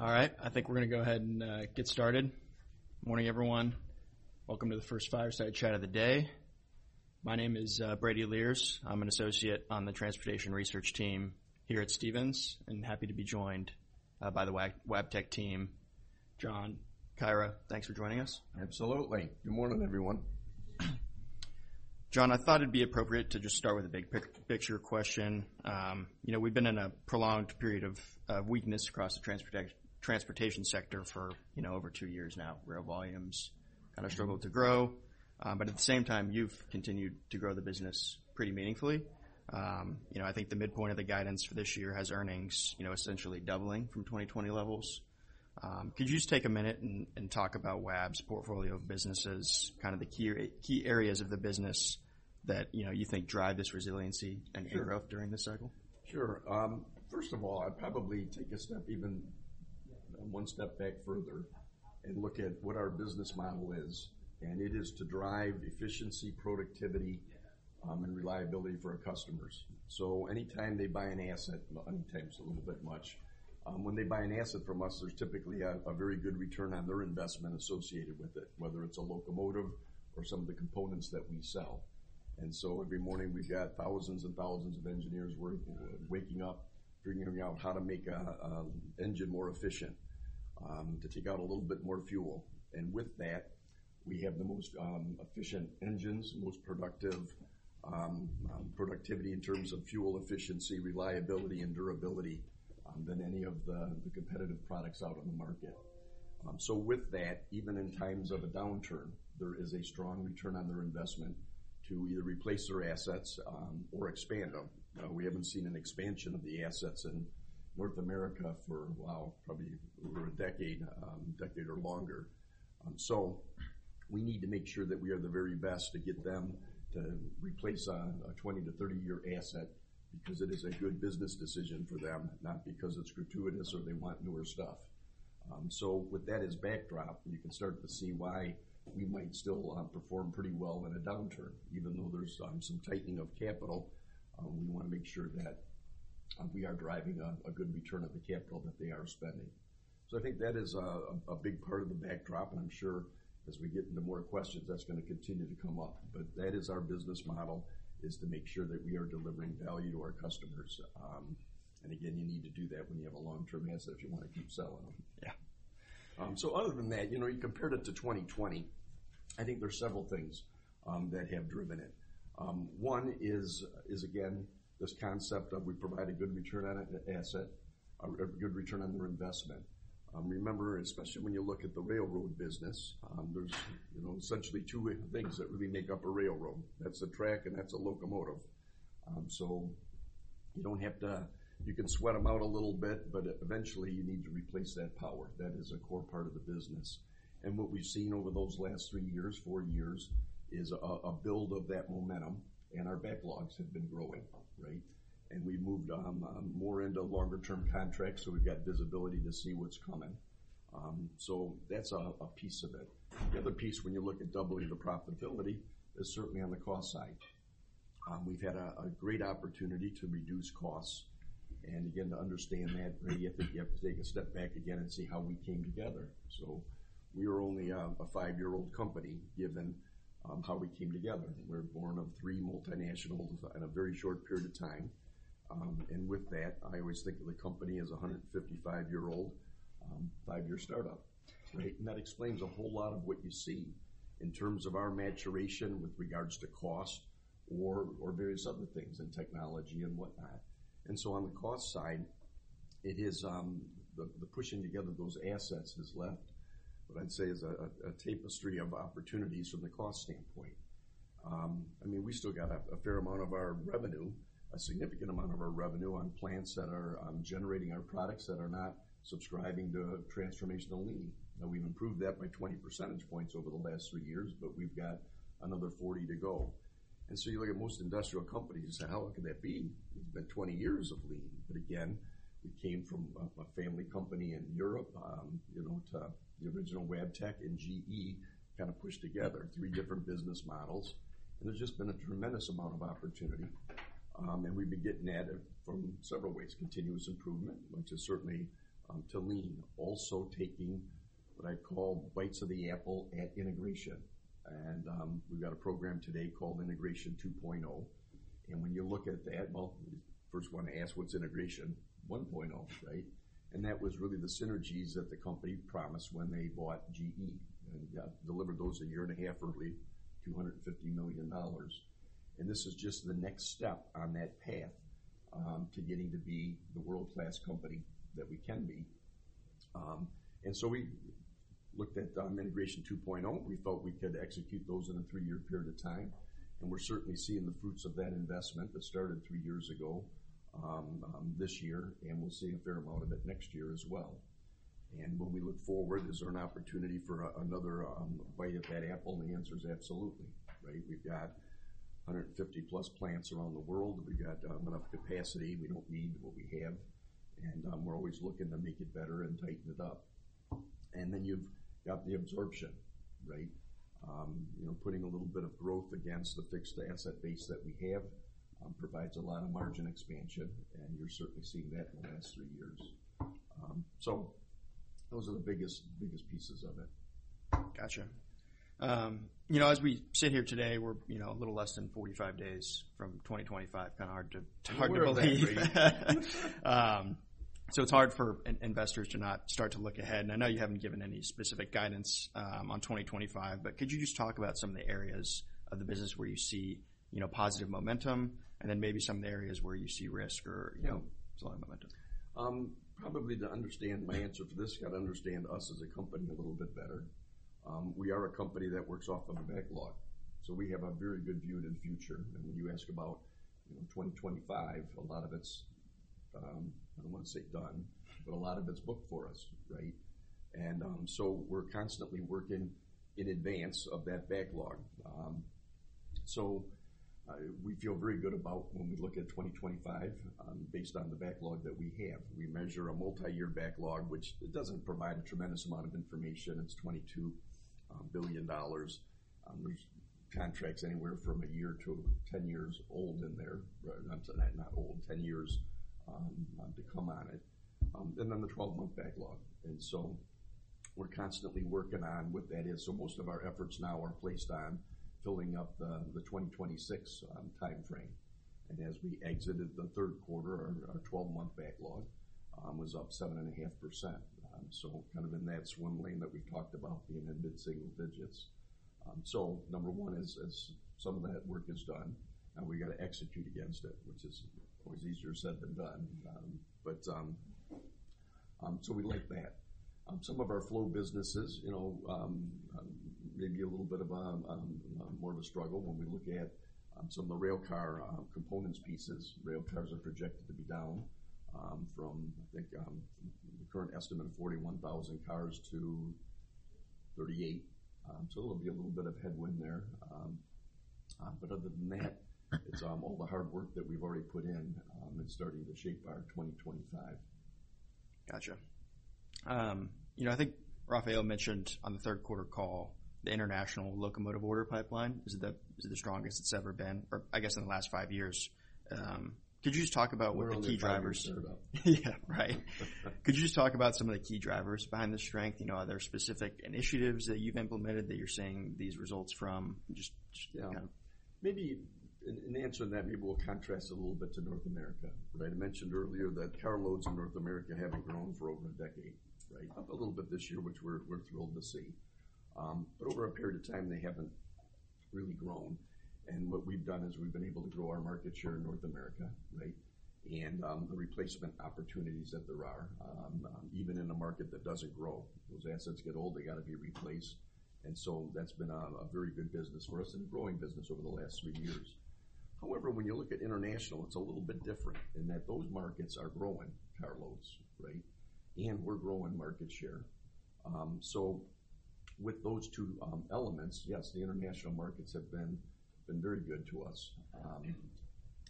All right. I think we're going to go ahead and get started. Morning, everyone. Welcome to the First Fireside chat of the day. My name is Brady Lierz. I'm an associate on the transportation research team here at Stephens, and happy to be joined by the Wabtec team. John, Kyra, thanks for joining us. Absolutely. Good morning, everyone. John, I thought it'd be appropriate to just start with a big picture question. We've been in a prolonged period of weakness across the transportation sector for over two years now. Rail volumes kind of struggled to grow. But at the same time, you've continued to grow the business pretty meaningfully. I think the midpoint of the guidance for this year has earnings essentially doubling from 2020 levels. Could you just take a minute and talk about Wabtec's portfolio of businesses, kind of the key areas of the business that you think drive this resiliency and growth during this cycle? Sure. First of all, I'd probably take a step, even one step back further, and look at what our business model is. And it is to drive efficiency, productivity, and reliability for our customers. So anytime they buy an asset, anytime it's a little bit much, when they buy an asset from us, there's typically a very good return on their investment associated with it, whether it's a locomotive or some of the components that we sell. And so every morning, we've got thousands and thousands of engineers waking up, figuring out how to make an engine more efficient, to take out a little bit more fuel. And with that, we have the most efficient engines, most productive productivity in terms of fuel efficiency, reliability, and durability than any of the competitive products out on the market. So with that, even in times of a downturn, there is a strong return on their investment to either replace their assets or expand them. We haven't seen an expansion of the assets in North America for, wow, probably over a decade, a decade or longer. So we need to make sure that we are the very best to get them to replace a 20-30-year asset because it is a good business decision for them, not because it's gratuitous or they want newer stuff. So with that as backdrop, you can start to see why we might still perform pretty well in a downturn. Even though there's some tightening of capital, we want to make sure that we are driving a good return of the capital that they are spending. So I think that is a big part of the backdrop. I'm sure as we get into more questions, that's going to continue to come up. That is our business model, is to make sure that we are delivering value to our customers. Again, you need to do that when you have a long-term asset if you want to keep selling them. Yeah. So other than that, you compared it to 2020. I think there's several things that have driven it. One is, again, this concept of we provide a good return on an asset, a good return on their investment. Remember, especially when you look at the railroad business, there's essentially two things that really make up a railroad. That's a track and that's a locomotive. So you don't have to, you can sweat them out a little bit, but eventually you need to replace that power. That is a core part of the business. And what we've seen over those last three years, four years, is a build of that momentum. And our backlogs have been growing, right? And we've moved more into longer-term contracts, so we've got visibility to see what's coming. So that's a piece of it. The other piece, when you look at doubling the profitability, is certainly on the cost side. We've had a great opportunity to reduce costs. And again, to understand that, you have to take a step back again and see how we came together. So we are only a five-year-old company, given how we came together. We're born of three multinationals in a very short period of time. And with that, I always think of the company as a 155-year-old, five-year startup, right? And that explains a whole lot of what you see in terms of our maturation with regards to cost or various other things and technology and whatnot. And so on the cost side, it is the pushing together those assets has left, what I'd say is a tapestry of opportunities from the cost standpoint. I mean, we still got a fair amount of our revenue, a significant amount of our revenue on plants that are generating our products that are not subscribing to transformational Lean. Now, we've improved that by 20 percentage points over the last three years, but we've got another 40 to go. And so you look at most industrial companies, how can that be? It's been 20 years of Lean. But again, we came from a family company in Europe to the original Wabtec and GE kind of pushed together three different business models. And there's just been a tremendous amount of opportunity. And we've been getting at it from several ways, continuous improvement, which is certainly to Lean. Also taking what I call bites of the apple at integration. And we've got a program today called Integration 2.0. When you look at that, well, first one to ask, what's Integration 1.0, right? That was really the synergies that the company promised when they bought GE and delivered those a year and a half early, $250 million. This is just the next step on that path to getting to be the world-class company that we can be. We looked at Integration 2.0. We felt we could execute those in a three-year period of time. We're certainly seeing the fruits of that investment that started three years ago this year, and we'll see a fair amount of it next year as well. When we look forward, is there an opportunity for another bite of that apple? The answer is absolutely, right? We've got 150 plus plants around the world. We've got enough capacity. We don't need what we have. And we're always looking to make it better and tighten it up. And then you've got the absorption, right? Putting a little bit of growth against the fixed asset base that we have provides a lot of margin expansion. And you're certainly seeing that in the last three years. So those are the biggest pieces of it. Gotcha. As we sit here today, we're a little less than 45 days from 2025. Kind of hard to roll that for you. So it's hard for investors to not start to look ahead. And I know you haven't given any specific guidance on 2025, but could you just talk about some of the areas of the business where you see positive momentum and then maybe some of the areas where you see risk or slowing momentum? Probably to understand my answer for this, you got to understand us as a company a little bit better. We are a company that works off of a backlog. So we have a very good view to the future. And when you ask about 2025, a lot of it's, I don't want to say done, but a lot of it's booked for us, right? And so we're constantly working in advance of that backlog. So we feel very good about when we look at 2025 based on the backlog that we have. We measure a multi-year backlog, which doesn't provide a tremendous amount of information. It's $22 billion. There's contracts anywhere from a year to 10 years old in there, not old, 10 years to come on it. And then the 12 month backlog. And so we're constantly working on what that is. So most of our efforts now are placed on filling up the 2026 timeframe. And as we exited the third quarter, our 12 month backlog was up 7.5%. So kind of in that swim lane that we talked about, the amended single digits. So number one is some of that work is done. Now we got to execute against it, which is always easier said than done. But so we like that. Some of our flow businesses, maybe a little bit of a more of a struggle when we look at some of the rail car components pieces. Rail cars are projected to be down from, I think, the current estimate of 41,000 cars to 38,000. So there'll be a little bit of headwind there. But other than that, it's all the hard work that we've already put in. It's starting to shape our 2025. Gotcha. I think Rafael mentioned on the third quarter call, the international locomotive order pipeline is the strongest it's ever been, or I guess in the last five years. Could you just talk about what are the key drivers? Well, that's what I was just talking about. Yeah, right. Could you just talk about some of the key drivers behind the strength? Are there specific initiatives that you've implemented that you're seeing these results from? Just kind of. Yeah. Maybe an answer to that maybe will contrast a little bit to North America, right? I mentioned earlier that carloads in North America haven't grown for over a decade, right? A little bit this year, which we're thrilled to see. But over a period of time, they haven't really grown. And what we've done is we've been able to grow our market share in North America, right? And the replacement opportunities that there are, even in a market that doesn't grow, those assets get old, they got to be replaced. And so that's been a very good business for us and a growing business over the last three years. However, when you look at international, it's a little bit different in that those markets are growing carloads, right? And we're growing market share. So with those two elements, yes, the international markets have been very good to us.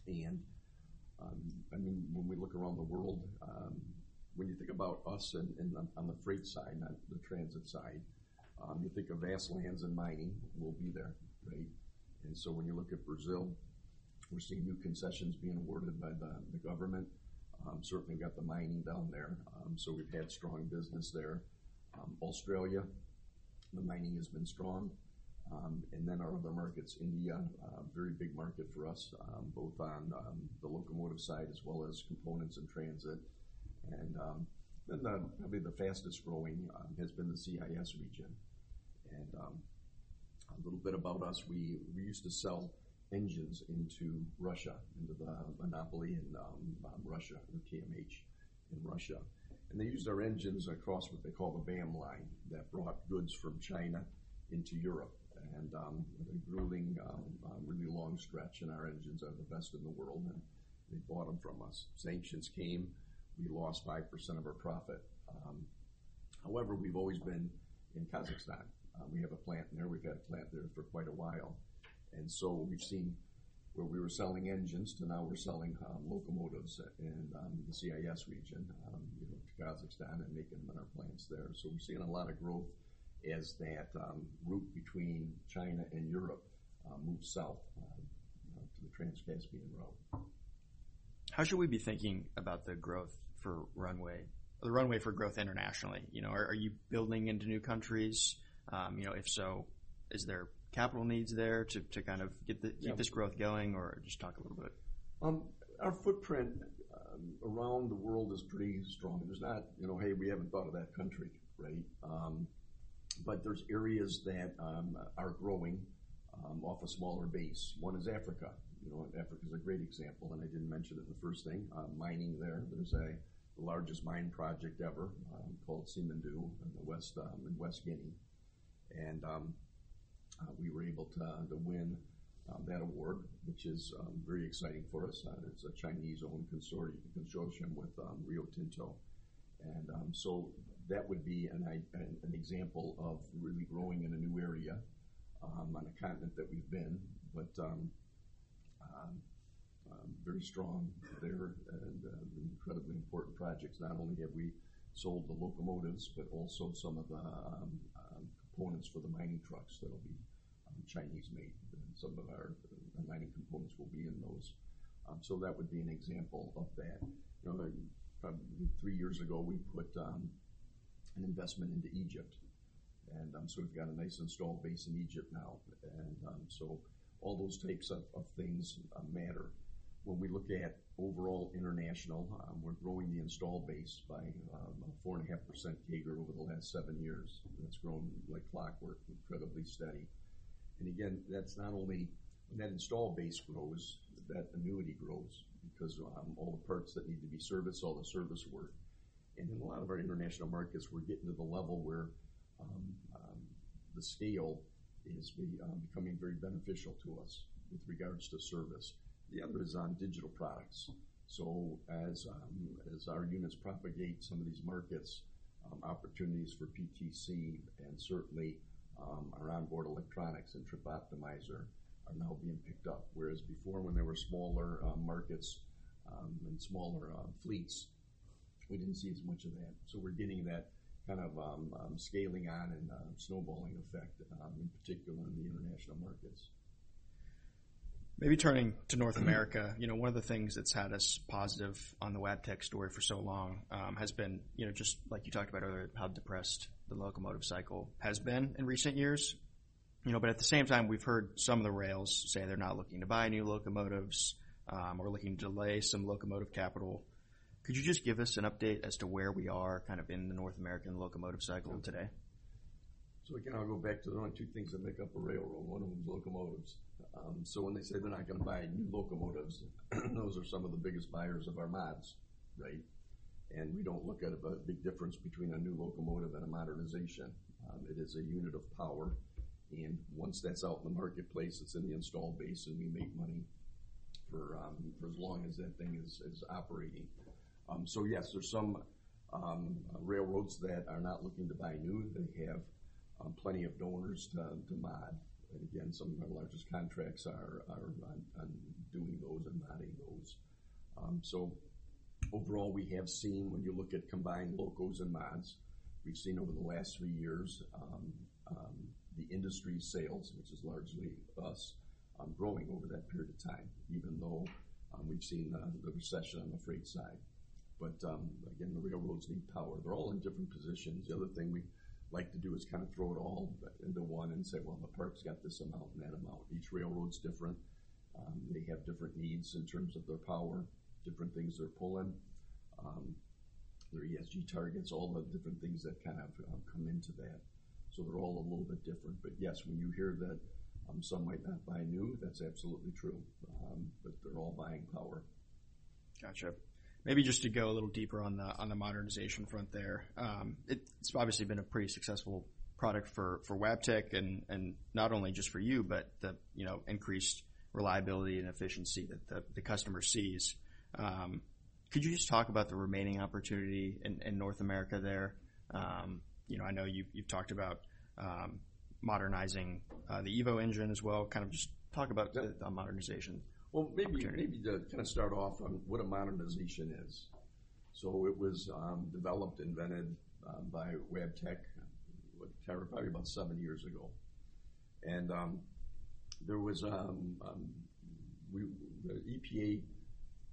And I mean, when we look around the world, when you think about us on the freight side, the transit side, you think of vast lands and mining, we'll be there, right? And so when you look at Brazil, we're seeing new concessions being awarded by the government. Certainly got the mining down there. So we've had strong business there. Australia, the mining has been strong. And then our other markets, India, very big market for us, both on the locomotive side as well as components and transit. And then probably the fastest growing has been the CIS region. And a little bit about us, we used to sell engines into Russia, into the monopoly in Russia, the TMH in Russia. And they used our engines across what they call the BAM line that brought goods from China into Europe. And they're hauling a really long stretch, and our engines are the best in the world. And they bought them from us. Sanctions came. We lost 5% of our profit. However, we've always been in Kazakhstan. We have a plant there. We've had a plant there for quite a while. And so we've seen where we were selling engines, to now we're selling locomotives in the CIS region to Kazakhstan and making them in our plants there. So we're seeing a lot of growth as that route between China and Europe moves south to the Trans-Caspian route. How should we be thinking about the growth runway, the runway for growth internationally? Are you building into new countries? If so, is there capital needs there to kind of keep this growth going, or just talk a little bit? Our footprint around the world is pretty strong. There's not, hey, we haven't thought of that country, right? But there's areas that are growing off a smaller base. One is Africa. Africa is a great example, and I didn't mention it in the first thing. Mining there, there's the largest mine project ever called Simandou in Guinea. And we were able to win that award, which is very exciting for us. It's a Chinese-owned consortium with Rio Tinto. And so that would be an example of really growing in a new area on a continent that we've been, but very strong there and incredibly important projects. Not only have we sold the locomotives, but also some of the components for the mining trucks that will be Chinese-made. Some of our mining components will be in those. So that would be an example of that. Probably three years ago, we put an investment into Egypt. So we've got a nice installed base in Egypt now. So all those types of things matter. When we look at overall international, we're growing the installed base by 4.5% CAGR over the last seven years. That's grown like clockwork, incredibly steady. Again, that's not only when that installed base grows, that annuity grows because all the parts that need to be serviced, all the service work. In a lot of our international markets, we're getting to the level where the scale is becoming very beneficial to us with regards to service. The other is on digital products. As our units propagate some of these markets, opportunities for PTC and certainly our onboard electronics and Trip Optimizer are now being picked up. Whereas before, when there were smaller markets and smaller fleets, we didn't see as much of that. So we're getting that kind of scaling on and snowballing effect, in particular in the international markets. Maybe turning to North America, one of the things that's had us positive on the Wabtec story for so long has been just like you talked about earlier, how depressed the locomotive cycle has been in recent years. But at the same time, we've heard some of the rails say they're not looking to buy new locomotives or looking to delay some locomotive capital. Could you just give us an update as to where we are kind of in the North American locomotive cycle today? So again, I'll go back to the only two things that make up a railroad. One of them is locomotives. So when they say they're not going to buy new locomotives, those are some of the biggest buyers of our mods, right? And we don't look at a big difference between a new locomotive and a modernization. It is a unit of power. And once that's out in the marketplace, it's in the installed base, and we make money for as long as that thing is operating. So yes, there's some railroads that are not looking to buy new. They have plenty of donors to mod. And again, some of our largest contracts are doing those and modding those. So overall, we have seen when you look at combined locos and mods, we've seen over the last three years the industry sales, which is largely us, growing over that period of time, even though we've seen the recession on the freight side. But again, the railroads need power. They're all in different positions. The other thing we like to do is kind of throw it all into one and say, well, the park's got this amount and that amount. Each railroad's different. They have different needs in terms of their power, different things they're pulling, their ESG targets, all the different things that kind of come into that. So they're all a little bit different. But yes, when you hear that some might not buy new, that's absolutely true. But they're all buying power. Gotcha. Maybe just to go a little deeper on the modernization front there, it's obviously been a pretty successful product for Wabtec and not only just for you, but the increased reliability and efficiency that the customer sees. Could you just talk about the remaining opportunity in North America there? I know you've talked about modernizing the EVO engine as well. Kind of just talk about the modernization. Well, maybe to kind of start off on what a modernization is. So it was developed, invented by Wabtec probably about seven years ago. And there was the EPA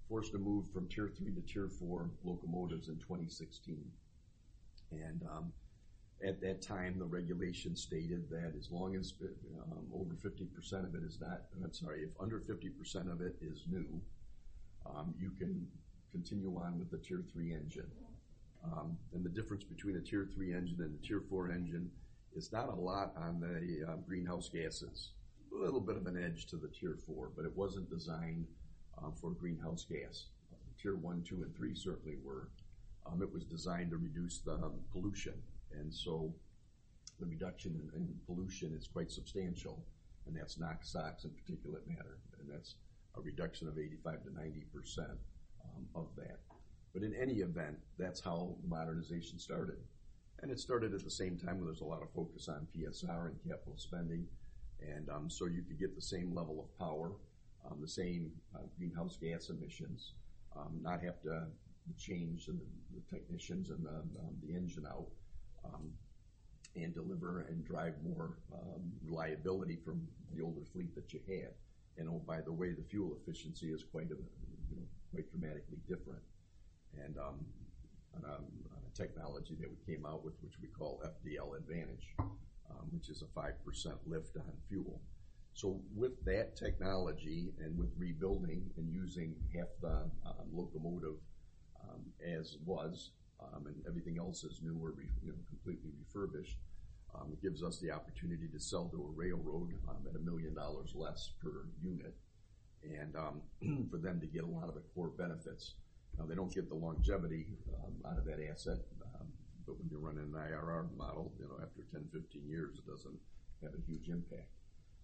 forced to move from Tier 3 to Tier 4 locomotives in 2016. And at that time, the regulation stated that as long as over 50% of it is not, I'm sorry, if under 50% of it is new, you can continue on with the Tier 3 engine. And the difference between a Tier 3 engine and a Tier 4 engine is not a lot on the greenhouse gases. A little bit of an edge to the Tier 4, but it wasn't designed for greenhouse gas. Tier 1, 2, and 3 certainly were. It was designed to reduce the pollution. And so the reduction in pollution is quite substantial. And that's NOx, SOx in particulate matter. And that's a reduction of 85%-90% of that. But in any event, that's how the modernization started. And it started at the same time when there's a lot of focus on PSR and capital spending. And so you could get the same level of power, the same greenhouse gas emissions, not have to change the technicians and the engine out and deliver and drive more reliability from the older fleet that you had. And oh, by the way, the fuel efficiency is quite dramatically different. And a technology that we came out with, which we call FDL Advantage, which is a 5% lift on fuel. So with that technology and with rebuilding and using half the locomotive as was and everything else is new or completely refurbished, it gives us the opportunity to sell to a railroad at $1 million less per unit and for them to get a lot of the core benefits. Now, they don't get the longevity out of that asset, but when you're running an IRR model, after 10, 15 years, it doesn't have a huge impact.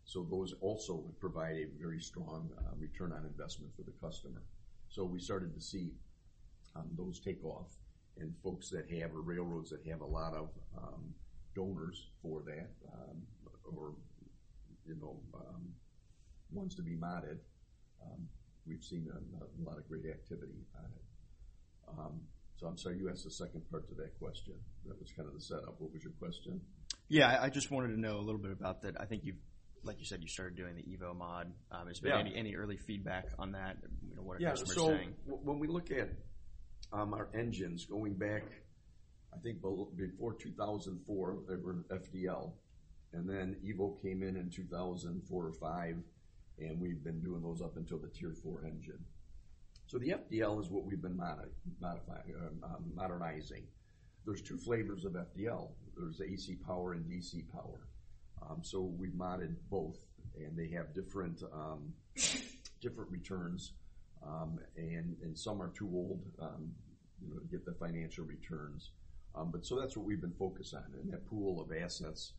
So those also provide a very strong return on investment for the customer. So we started to see those take off and folks that have railroads that have a lot of donors for that or wants to be modded. We've seen a lot of great activity on it. So I'm sorry, you asked the second part to that question. That was kind of the setup. What was your question? Yeah, I just wanted to know a little bit about that. I think you've, like you said, you started doing the EVO MOD. Has there been any early feedback on that? What are customers saying? Yeah. So when we look at our engines going back, I think before 2004, they were FDL. And then EVO came in in 2004 or 2005, and we've been doing those up until the Tier 4 engine. So the FDL is what we've been modernizing. There's two flavors of FDL. There's AC power and DC power. So we've modded both, and they have different returns. And some are too old to get the financial returns. But so that's what we've been focused on. And that pool of assets,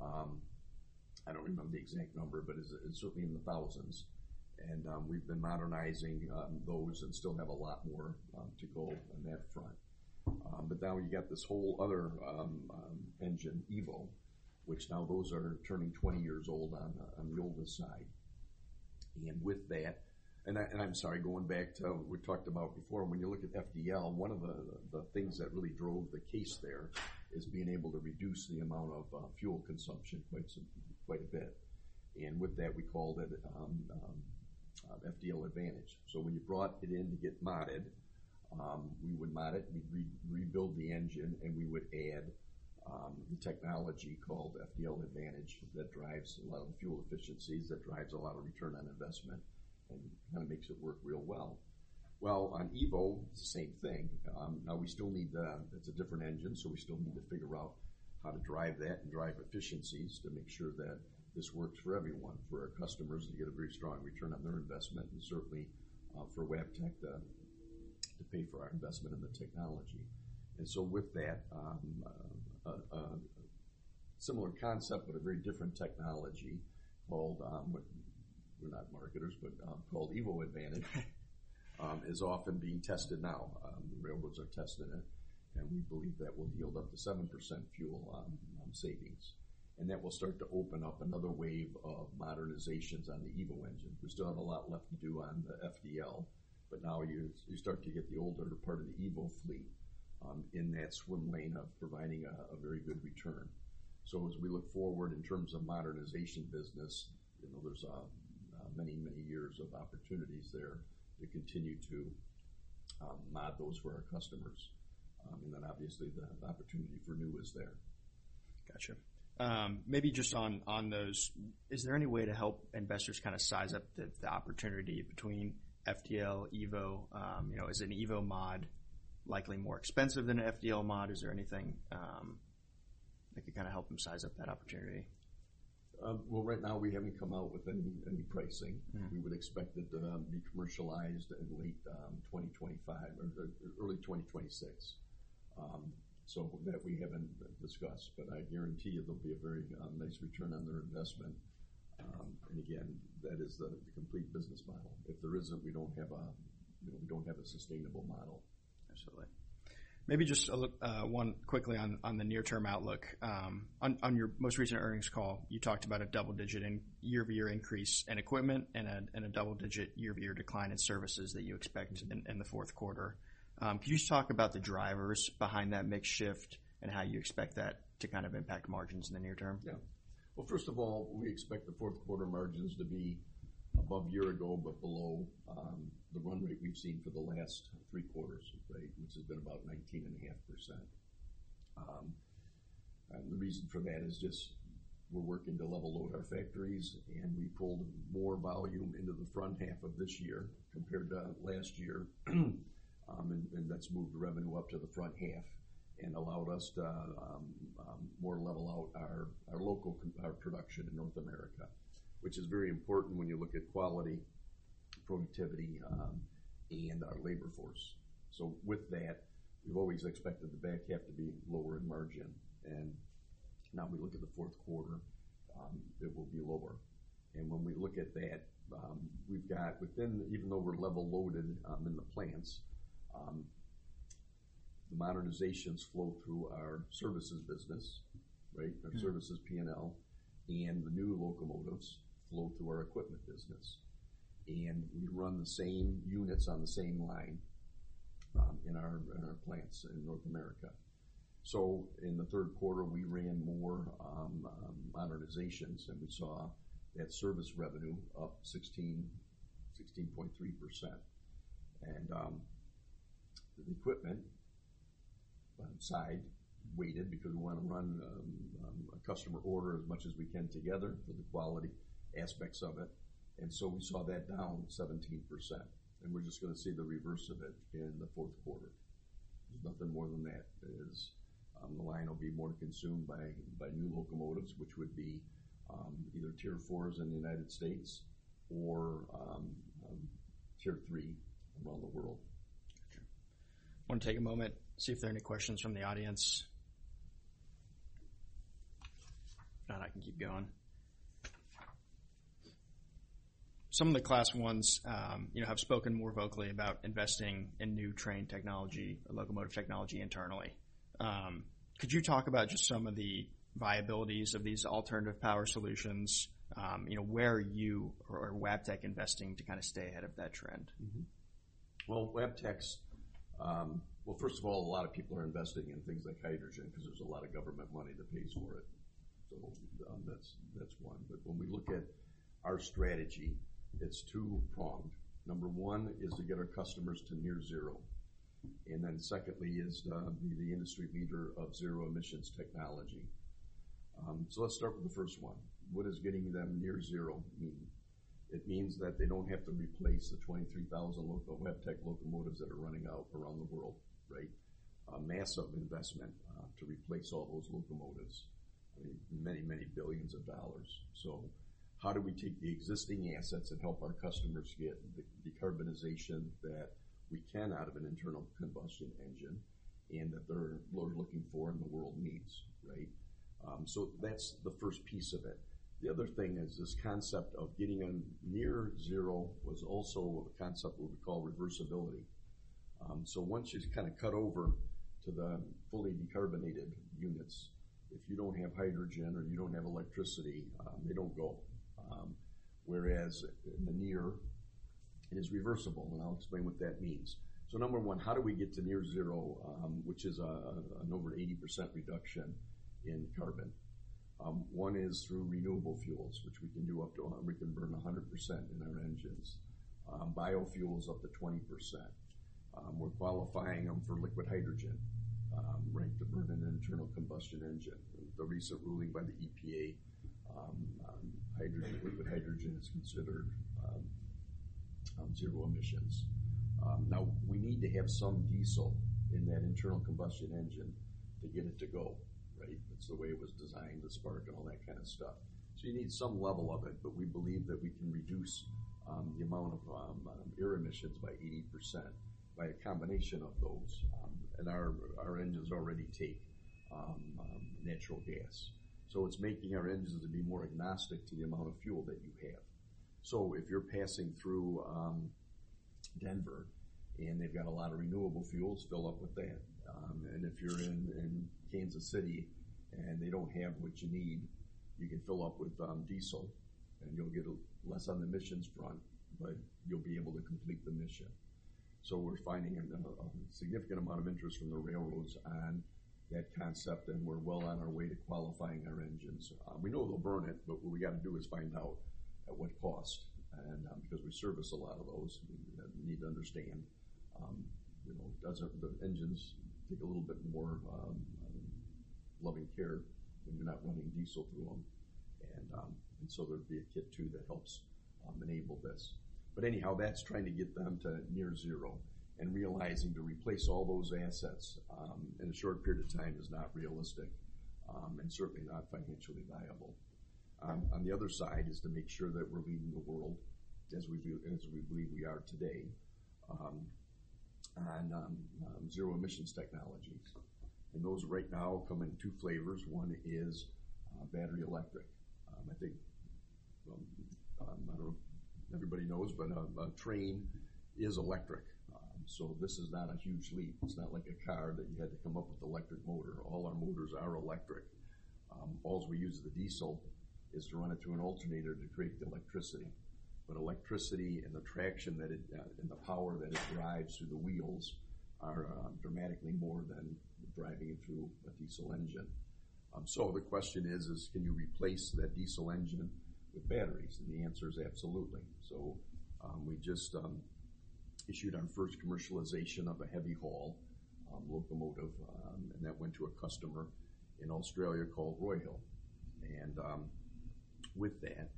I don't remember the exact number, but it's certainly in the thousands. And we've been modernizing those and still have a lot more to go on that front. But now you got this whole other engine, EVO, which now those are turning 20 years old on the older side. And with that, and I'm sorry, going back to what we talked about before, when you look at FDL, one of the things that really drove the case there is being able to reduce the amount of fuel consumption quite a bit. And with that, we called it FDL Advantage. So when you brought it in to get modded, we would mod it, we'd rebuild the engine, and we would add the technology called FDL Advantage that drives a lot of the fuel efficiencies, that drives a lot of return on investment and kind of makes it work real well. Well, on EVO, it's the same thing. Now, we still need to. It's a different engine, so we still need to figure out how to drive that and drive efficiencies to make sure that this works for everyone, for our customers to get a very strong return on their investment, and certainly for Wabtec to pay for our investment in the technology. So with that, a similar concept, but a very different technology called, we're not marketers, but called EVO Advantage is often being tested now. The railroads are testing it, and we believe that will yield up to 7% fuel savings. That will start to open up another wave of modernizations on the EVO engine. We still have a lot left to do on the FDL, but now you start to get the older part of the EVO fleet in that swim lane of providing a very good return. So as we look forward in terms of modernization business, there's many, many years of opportunities there to continue to mod those for our customers. And then obviously, the opportunity for new is there. Gotcha. Maybe just on those, is there any way to help investors kind of size up the opportunity between FDL, EVO? Is an EVO MOD likely more expensive than an FDL MOD? Is there anything that could kind of help them size up that opportunity? Right now, we haven't come out with any pricing. We would expect it to be commercialized in late 2025 or early 2026. So that we haven't discussed, but I guarantee you there'll be a very nice return on their investment. And again, that is the complete business model. If there isn't, we don't have a sustainable model. Absolutely. Maybe just one quickly on the near-term outlook. On your most recent earnings call, you talked about a double-digit year-over-year increase in equipment and a double-digit year-over-year decline in services that you expect in the fourth quarter. Could you just talk about the drivers behind that mixed shift and how you expect that to kind of impact margins in the near term? Yeah. Well, first of all, we expect the fourth quarter margins to be above year ago, but below the run rate we've seen for the last three quarters, which has been about 19.5%. And the reason for that is just we're working to level out our factories, and we pulled more volume into the front half of this year compared to last year. And that's moved the revenue up to the front half and allowed us to more level out our local production in North America, which is very important when you look at quality, productivity, and our labor force. So with that, we've always expected the back half to be lower in margin. And now we look at the fourth quarter, it will be lower. And when we look at that, we've got within, even though we're level loaded in the plants, the modernizations flow through our services business, right? Our services P&L and the new locomotives flow through our equipment business. And we run the same units on the same line in our plants in North America. So in the third quarter, we ran more modernizations, and we saw that service revenue up 16.3%. And the equipment side waited because we want to run a customer order as much as we can together for the quality aspects of it. And so we saw that down 17%. And we're just going to see the reverse of it in the fourth quarter. There's nothing more than that. The line will be more consumed by new locomotives, which would be either Tier 4s in the United States or Tier 3 around the world. Gotcha. I want to take a moment, see if there are any questions from the audience. If not, I can keep going. Some of the Class Ones have spoken more vocally about investing in new train technology, locomotive technology internally. Could you talk about just some of the viabilities of these alternative power solutions? Where are you or Wabtec investing to kind of stay ahead of that trend? Wabtec's, well, first of all, a lot of people are investing in things like hydrogen because there's a lot of government money that pays for it. That's one. But when we look at our strategy, it's two-pronged. Number one is to get our customers to near zero. Then secondly is to be the industry leader of zero emissions technology. Let's start with the first one. What does getting them near zero mean? It means that they don't have to replace the 23,000 Wabtec locomotives that are running around the world, right? A massive investment to replace all those locomotives, many, many billions of dollars. How do we take the existing assets and help our customers get the decarbonization that we can out of an internal combustion engine and that they're looking for and the world needs, right? That's the first piece of it. The other thing is this concept of getting them near zero was also a concept we would call reversibility. Once you kind of cut over to the fully decarbonized units, if you don't have hydrogen or you don't have electricity, they don't go. Whereas the near is reversible. And I'll explain what that means. Number one, how do we get to near zero, which is an over 80% reduction in carbon? One is through renewable fuels, which we can burn 100% in our engines. Biofuels up to 20%. We're qualifying them for liquid hydrogen, right, to burn in an internal combustion engine. The recent ruling by the EPA, liquid hydrogen is considered zero emissions. Now, we need to have some diesel in that internal combustion engine to get it to go, right? That's the way it was designed, the spark and all that kind of stuff. So you need some level of it, but we believe that we can reduce the amount of air emissions by 80% by a combination of those. And our engines already take natural gas. So it's making our engines to be more agnostic to the amount of fuel that you have. So if you're passing through Denver and they've got a lot of renewable fuels, fill up with that. And if you're in Kansas City and they don't have what you need, you can fill up with diesel and you'll get less on the emissions front, but you'll be able to complete the mission. So we're finding a significant amount of interest from the railroads on that concept, and we're well on our way to qualifying our engines. We know they'll burn it, but what we got to do is find out at what cost. And because we service a lot of those, we need to understand, does the engines take a little bit more loving care when you're not running diesel through them? And so there'd be a kit too that helps enable this. But anyhow, that's trying to get them to near zero. And realizing to replace all those assets in a short period of time is not realistic and certainly not financially viable. On the other side is to make sure that we're leading the world as we believe we are today on zero emissions technologies. And those right now come in two flavors. One is battery electric. I think, I don't know if everybody knows, but a train is electric. So this is not a huge leap. It's not like a car that you had to come up with an electric motor. All our motors are electric. All we use is the diesel is to run it through an alternator to create the electricity. But electricity and the traction and the power that it drives through the wheels are dramatically more than driving it through a diesel engine. So the question is, can you replace that diesel engine with batteries? And the answer is absolutely. So we just issued our first commercialization of a heavy haul locomotive, and that went to a customer in Australia called Roy Hill. And with that,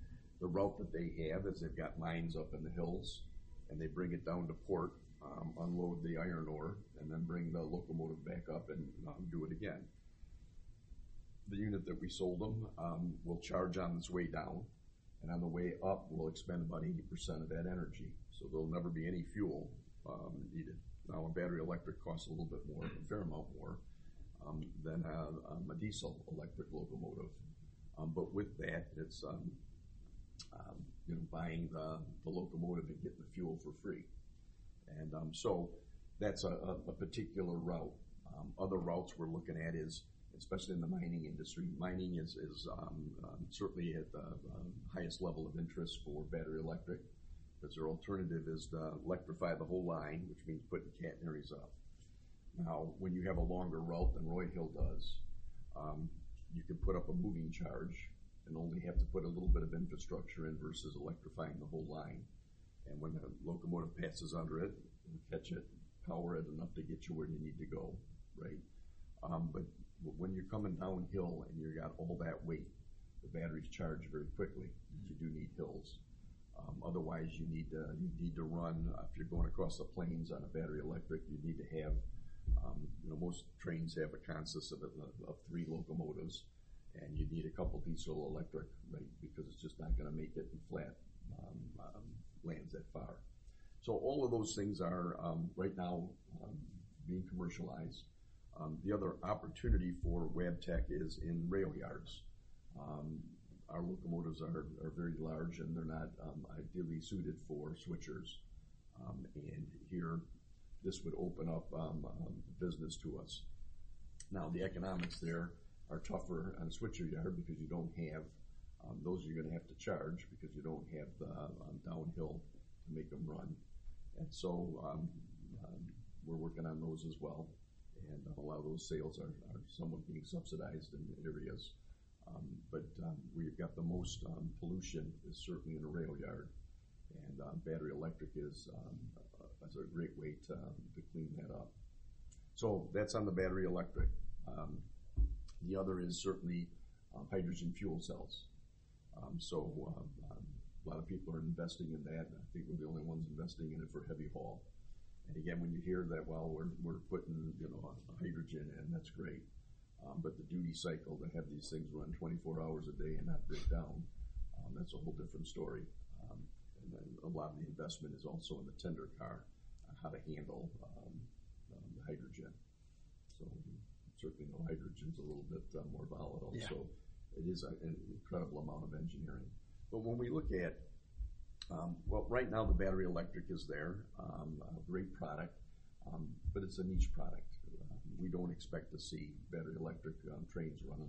the route that they have is they've got mines up in the hills, and they bring it down to port, unload the iron ore, and then bring the locomotive back up and do it again. The unit that we sold them will charge on its way down, and on the way up, we'll expend about 80% of that energy. There'll never be any fuel needed. Now, a battery electric costs a little bit more, a fair amount more than a diesel electric locomotive. But with that, it's buying the locomotive and getting the fuel for free. And so that's a particular route. Other routes we're looking at is, especially in the mining industry. Mining is certainly at the highest level of interest for battery electric. But their alternative is to electrify the whole line, which means putting catenaries up. Now, when you have a longer route than Roy Hill does, you can put up a moving charge and only have to put a little bit of infrastructure in versus electrifying the whole line. When the locomotive passes under it, it'll catch it, power it enough to get you where you need to go, right? When you're coming downhill and you've got all that weight, the battery's charged very quickly. You do need hills. Otherwise, you need to run if you're going across the plains on a battery electric. You need to have most trains have a consist of three locomotives, and you need a couple of diesel electric, right, because it's just not going to make it in flat lands that far. All of those things are right now being commercialized. The other opportunity for Wabtec is in rail yards. Our locomotives are very large, and they're not ideally suited for switchers. Here, this would open up business to us. Now, the economics there are tougher on a switcher yard because you don't have those. You're going to have to charge because you don't have the downhill to make them run. And so we're working on those as well. And a lot of those sales are somewhat being subsidized in areas. But where you've got the most pollution is certainly in a rail yard. And battery electric is a great way to clean that up. So that's on the battery electric. The other is certainly hydrogen fuel cells. So a lot of people are investing in that. I think we're the only ones investing in it for heavy haul. And again, when you hear that, well, we're putting hydrogen, and that's great. But the duty cycle to have these things run 24 hours a day and not break down, that's a whole different story. And then a lot of the investment is also in the tender car, how to handle the hydrogen. So certainly, hydrogen is a little bit more volatile. So it is an incredible amount of engineering. But when we look at, well, right now, the battery electric is there, a great product, but it's a niche product. We don't expect to see battery electric trains running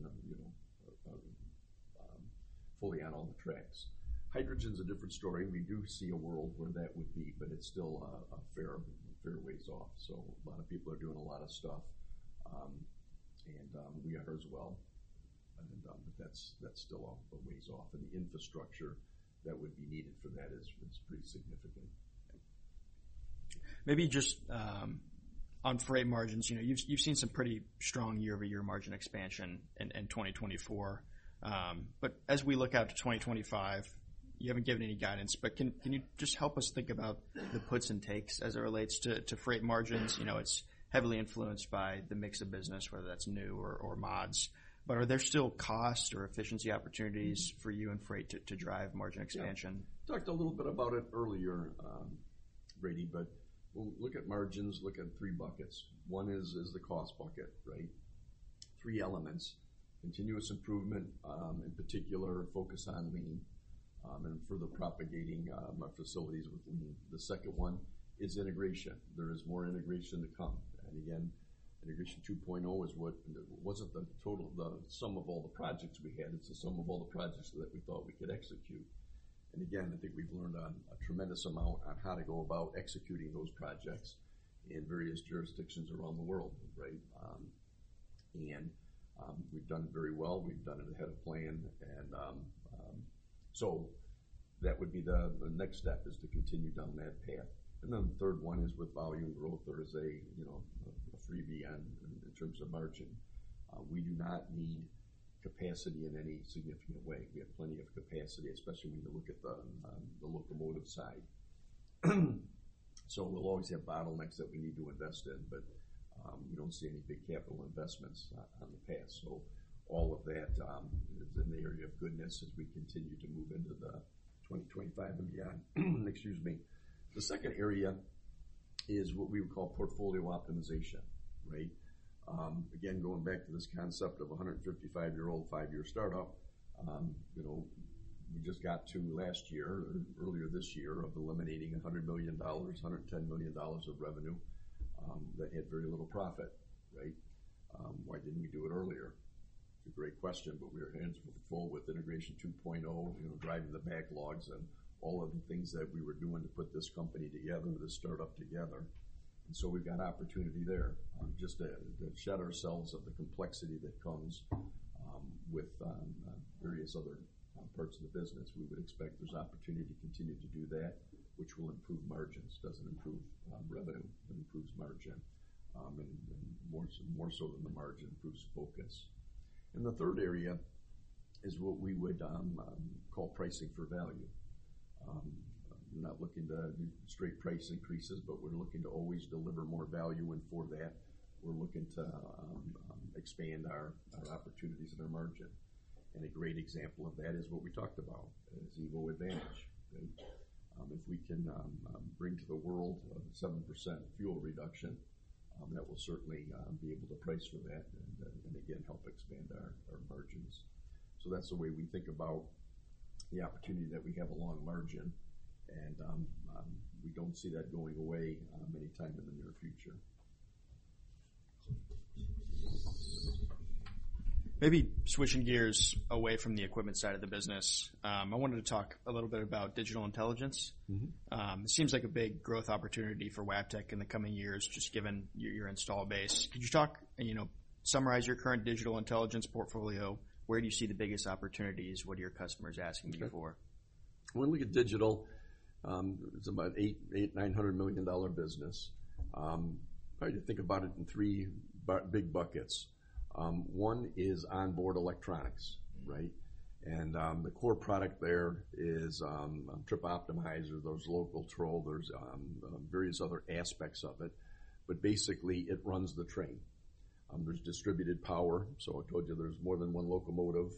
fully on all the tracks. Hydrogen is a different story. We do see a world where that would be, but it's still a fair ways off. So a lot of people are doing a lot of stuff, and we are as well. But that's still a ways off. And the infrastructure that would be needed for that is pretty significant. Maybe just on freight margins, you've seen some pretty strong year-over-year margin expansion in 2024. But as we look out to 2025, you haven't given any guidance, but can you just help us think about the puts and takes as it relates to freight margins? It's heavily influenced by the mix of business, whether that's new or mods. But are there still costs or efficiency opportunities for you and freight to drive margin expansion? Yeah. We talked a little bit about it earlier, Brady, but look at margins, look at three buckets. One is the cost bucket, right? Three elements: continuous improvement, in particular, focus on Lean and further propagating our facilities with Lean. The second one is integration. There is more integration to come. And again, Integration 2.0 wasn't the sum of all the projects we had. It's the sum of all the projects that we thought we could execute. And again, I think we've learned a tremendous amount on how to go about executing those projects in various jurisdictions around the world, right? And we've done very well. We've done it ahead of plan. And so that would be the next step is to continue down that path. And then the third one is with volume growth. There is a freebie in terms of margin. We do not need capacity in any significant way. We have plenty of capacity, especially when you look at the locomotive side. So we'll always have bottlenecks that we need to invest in, but we don't see any big capital investments on the path. So all of that is in the area of goodness as we continue to move into 2025 and beyond. Excuse me. The second area is what we would call portfolio optimization, right? Again, going back to this concept of a 155-year-old, five-year startup, we just got to last year or earlier this year of eliminating $100 million-$110 million of revenue that had very little profit, right? Why didn't we do it earlier? It's a great question, but our hands were full with Integration 2.0, driving the backlogs and all of the things that we were doing to put this company together, this startup together. And so we've got opportunity there. Just to shed ourselves of the complexity that comes with various other parts of the business, we would expect there's opportunity to continue to do that, which will improve margins. It doesn't improve revenue, but it improves margin. And more so than the margin improves focus. And the third area is what we would call pricing for value. We're not looking to do straight price increases, but we're looking to always deliver more value. And for that, we're looking to expand our opportunities and our margin. And a great example of that is what we talked about, is EVO Advantage, right? If we can bring to the world a 7% fuel reduction, that will certainly be able to price for that and, again, help expand our margins. So that's the way we think about the opportunity that we have along margin. We don't see that going away anytime in the near future. Maybe switching gears away from the equipment side of the business, I wanted to talk a little bit about digital intelligence. It seems like a big growth opportunity for Wabtec in the coming years, just given your installed base. Could you talk and summarize your current digital intelligence portfolio? Where do you see the biggest opportunities? What are your customers asking you for? When we look at digital, it's about $800-$900 million business. Probably to think about it in three big buckets. One is onboard electronics, right? And the core product there is Trip Optimizers, those Locotrols, various other aspects of it. But basically, it runs the train. There's distributed power. So I told you there's more than one locomotive.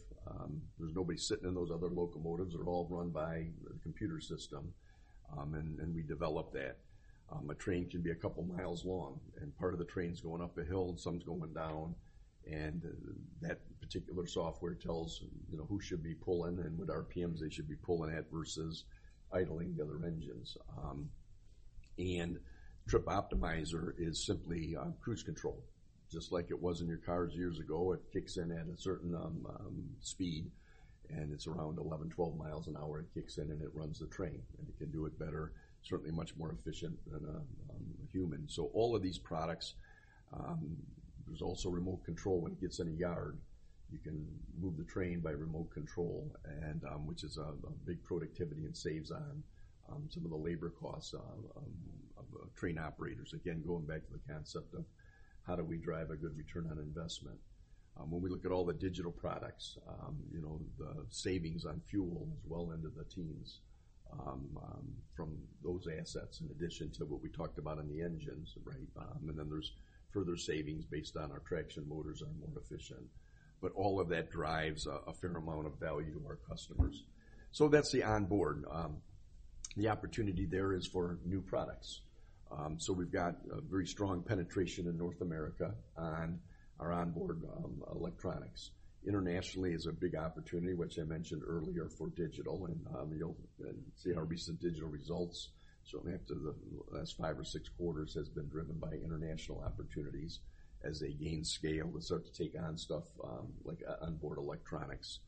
There's nobody sitting in those other locomotives. They're all run by a computer system. And we develop that. A train can be a couple of miles long, and part of the train's going up a hill and some's going down. And that particular software tells who should be pulling and what RPMs they should be pulling at versus idling the other engines. And trip optimizer is simply cruise control. Just like it was in your cars years ago, it kicks in at a certain speed, and it's around 11 miles, 12 miles an hour. It kicks in and it runs the train. And it can do it better, certainly much more efficient than a human. So all of these products, there's also remote control when it gets in a yard. You can move the train by remote control, which is a big productivity and saves on some of the labor costs of train operators. Again, going back to the concept of how do we drive a good return on investment. When we look at all the digital products, the savings on fuel is well into the teens from those assets in addition to what we talked about in the engines, right? And then there's further savings based on our traction motors that are more efficient. But all of that drives a fair amount of value to our customers. So that's the onboard. The opportunity there is for new products. So we've got a very strong penetration in North America on our onboard electronics. Internationally is a big opportunity, which I mentioned earlier for digital. And you'll see our recent digital results. Certainly, after the last five or six quarters, it has been driven by international opportunities as they gain scale to start to take on stuff like onboard electronics.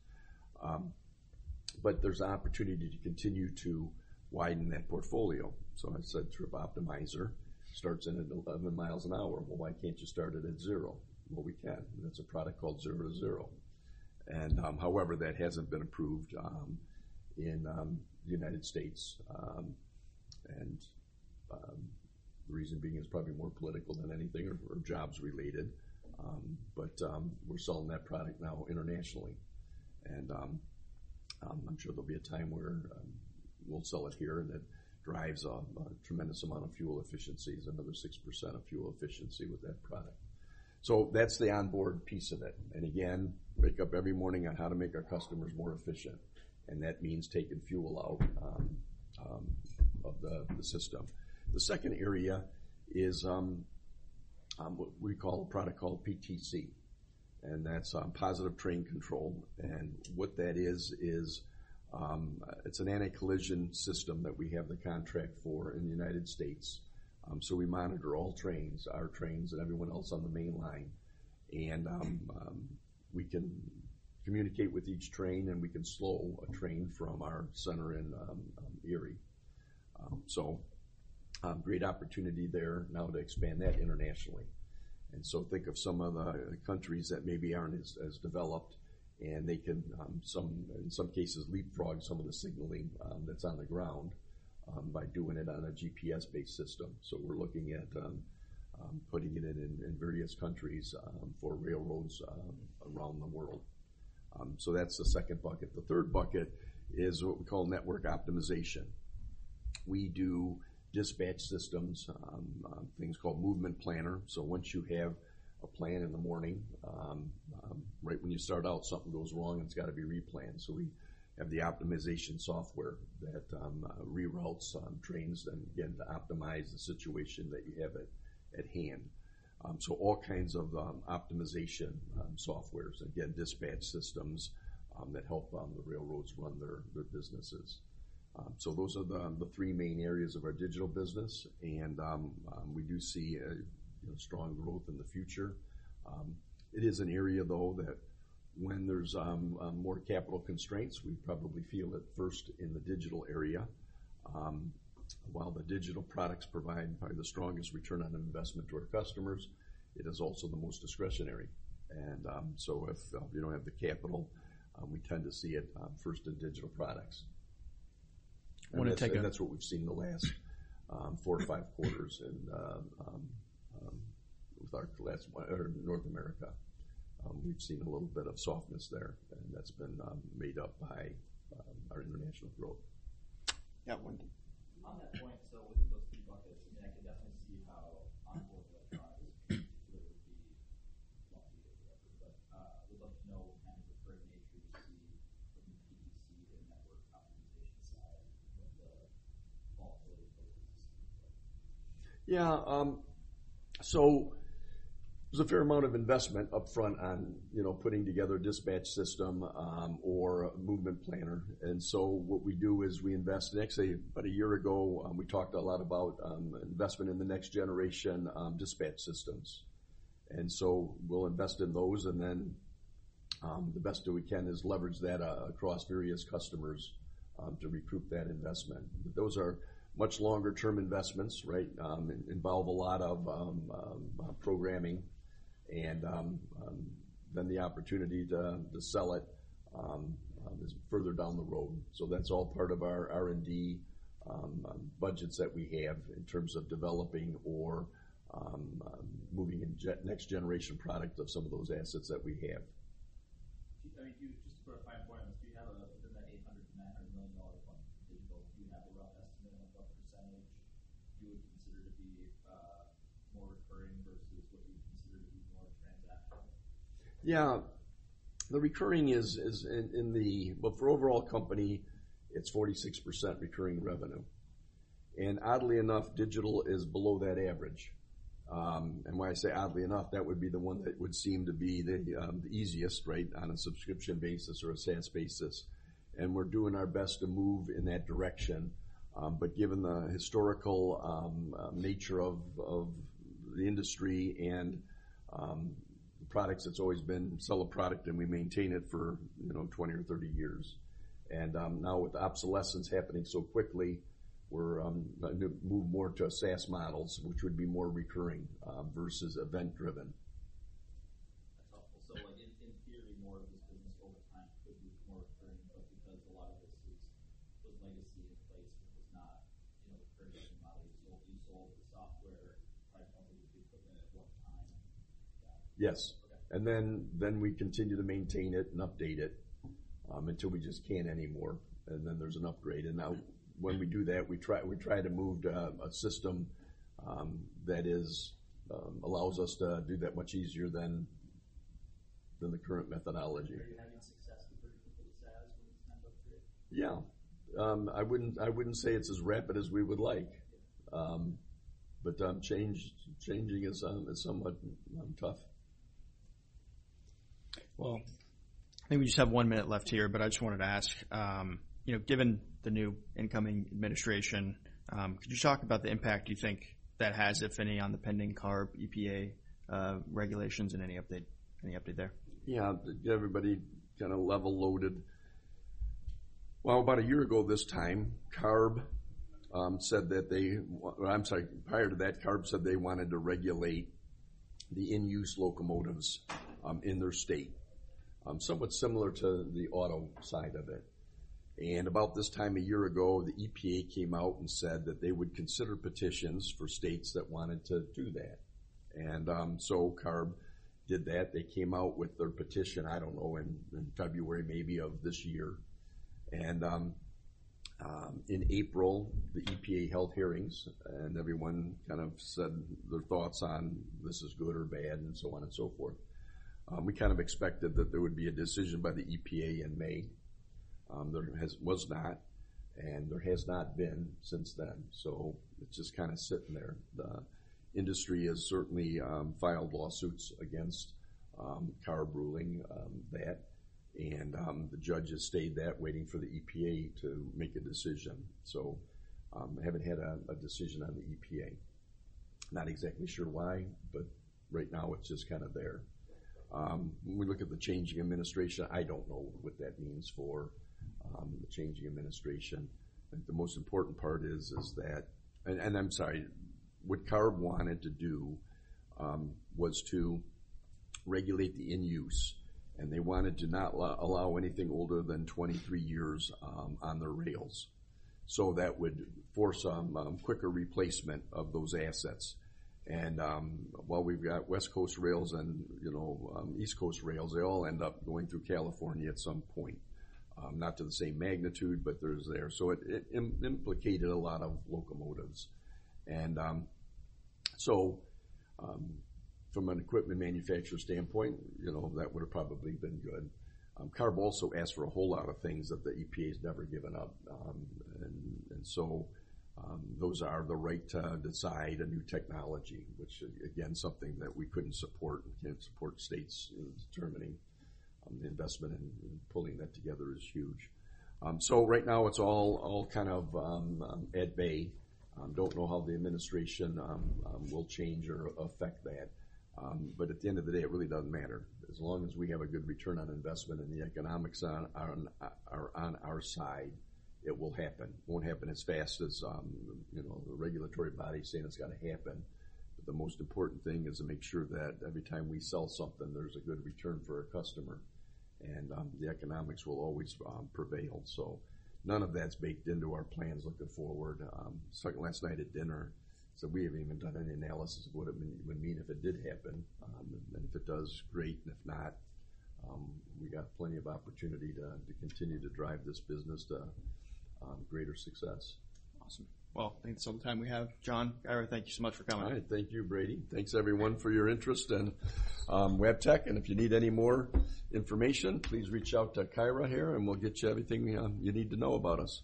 But there's an opportunity to continue to widen that portfolio. So I said Trip Optimizer starts in at 11 miles an hour. Well, why can't you start it at zero? Well, we can. That's a product called Zero-to-Zero. And however, that hasn't been approved in the United States. And the reason being is probably more political than anything or jobs related. But we're selling that product now internationally. And I'm sure there'll be a time where we'll sell it here and it drives a tremendous amount of fuel efficiency, another 6% of fuel efficiency with that product. So that's the onboard piece of it. And again, wake up every morning on how to make our customers more efficient. And that means taking fuel out of the system. The second area is what we call a product called PTC. And that's Positive Train Control. And what that is, is it's an anti-collision system that we have the contract for in the United States. So we monitor all trains, our trains, and everyone else on the main line. And we can communicate with each train and we can slow a train from our center in Erie. So great opportunity there now to expand that internationally. And so, think of some of the countries that maybe aren't as developed and they can, in some cases, leapfrog some of the signaling that's on the ground by doing it on a GPS-based system. So we're looking at putting it in various countries for railroads around the world. So that's the second bucket. The third bucket is what we call network optimization. We do dispatch systems, things called Movement Planner. So once you have a plan in the morning, right when you start out, something goes wrong and it's got to be replanned. So we have the optimization software that reroutes trains and, again, to optimize the situation that you have at hand. So all kinds of optimization software's, again, dispatch systems that help the railroads run their businesses. So those are the three main areas of our digital business. And we do see a strong growth in the future. It is an area, though, that when there's more capital constraints, we probably feel at first in the digital area. While the digital products provide probably the strongest return on investment to our customers, it is also the most discretionary. And so if you don't have the capital, we tend to see it first in digital products. And that's what we've seen in the last four or five quarters. And with our last North America, we've seen a little bit of softness there. And that's been made up by our international growth. Yeah, on that point, so within those three buckets, I mean, I can definitely see how onboard electronics would be lumpy or whatever. But I would love to know kind of the current nature you see from the PTC and network optimization side of the? Yeah. So there's a fair amount of investment upfront on putting together a dispatch system or a movement planner. And so what we do is we invest in, actually, about a year ago, we talked a lot about investment in the next generation dispatch systems. And so we'll invest in those. And then the best that we can is leverage that across various customers to recoup that investment. But those are much longer-term investments, right? Involve a lot of programming. And then the opportunity to sell it is further down the road. So that's all part of our R&D budgets that we have in terms of developing or moving in next generation product of some of those assets that we have. I mean, just to clarify on points, do you have within that $800 million-$900 million digital fund, do you have a rough estimate of what percentage you would consider to be more recurring versus what you'd consider to be more transactional? Yeah. The recurring is in the, but for overall company, it's 46% recurring revenue. And oddly enough, digital is below that average. And when I say oddly enough, that would be the one that would seem to be the easiest, right, on a subscription basis or a SaaS basis. And we're doing our best to move in that direction. But given the historical nature of the industry and the products, it's always been sell a product and we maintain it for 20 or 30 years. And now with obsolescence happening so quickly, we're moving more to SaaS models, which would be more recurring versus event-driven. That's helpful. So in theory, more of this business over time could be more recurring, but because a lot of this is with legacy in place versus not recurring model, you sold the software probably would be put in at what time? Yes. And then we continue to maintain it and update it until we just can't anymore. And then there's an upgrade. And now when we do that, we try to move to a system that allows us to do that much easier than the current methodology. Are you having success compared to the SaaS when it's time to upgrade? Yeah. I wouldn't say it's as rapid as we would like. But changing is somewhat tough. I think we just have one minute left here, but I just wanted to ask, given the new incoming administration, could you talk about the impact you think that has, if any, on the pending CARB EPA regulations and any update there? Yeah. Everybody kind of level loaded. Well, about a year ago this time, CARB said that they, I'm sorry, prior to that, CARB said they wanted to regulate the in-use locomotives in their state. Somewhat similar to the auto side of it. And about this time a year ago, the EPA came out and said that they would consider petitions for states that wanted to do that. And so CARB did that. They came out with their petition, I don't know, in February maybe of this year. And in April, the EPA held hearings, and everyone kind of said their thoughts on this is good or bad and so on and so forth. We kind of expected that there would be a decision by the EPA in May. There was not, and there has not been since then. So it's just kind of sitting there. The industry has certainly filed lawsuits against CARB ruling that, and the judge has stayed that waiting for the EPA to make a decision. I haven't had a decision on the EPA. Not exactly sure why, but right now it's just kind of there. When we look at the changing administration, I don't know what that means for the changing administration. I think the most important part is that, and I'm sorry, what CARB wanted to do was to regulate the in-use. They wanted to not allow anything older than 23 years on their rails. That would force a quicker replacement of those assets. While we've got West Coast rails and East Coast rails, they all end up going through California at some point. Not to the same magnitude, but they're there. It implicated a lot of locomotives. And so from an equipment manufacturer standpoint, that would have probably been good. CARB also asked for a whole lot of things that the EPA has never given up. And so those are the right to decide a new technology, which, again, is something that we couldn't support and can't support states in determining the investment, and pulling that together is huge. So right now, it's all kind of in abeyance. Don't know how the administration will change or affect that. But at the end of the day, it really doesn't matter. As long as we have a good return on investment and the economics are on our side, it will happen. It won't happen as fast as the regulatory body is saying it's got to happen. But the most important thing is to make sure that every time we sell something, there's a good return for our customer. And the economics will always prevail. So none of that's baked into our plans looking forward. Last night at dinner, I said, "We haven't even done any analysis of what it would mean if it did happen." And if it does, great. And if not, we got plenty of opportunity to continue to drive this business to greater success. Awesome. Well, I think it's some time we have. John, Kyra, thank you so much for coming. All right. Thank you, Brady. Thanks, everyone, for your interest in Wabtec. And if you need any more information, please reach out to Kyra here, and we'll get you everything you need to know about us.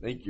Thank you.